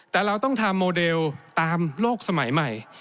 แต่เราต้องทำโมเดลตามโลกสมัยใหม่